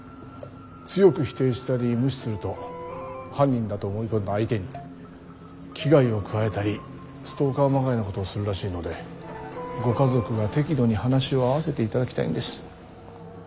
強く否定したり無視すると犯人だと思い込んだ相手に危害を加えたりストーカーまがいのことをするらしいのでご家族が適度に話を合わせていただきたいんです。